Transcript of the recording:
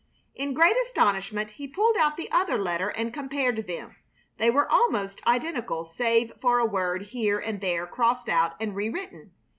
In great astonishment he pulled out the other letter and compared them. They were almost identical save for a word here and there crossed out and rewritten.